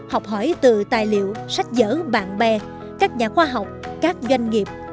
học hỏi từ tài liệu sách giở bạn bè các nhà khoa học các doanh nghiệp